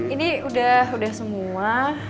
ini udah semua